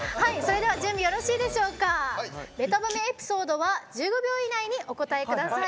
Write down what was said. ベタ褒めエピソードは１５秒以内にお答えください。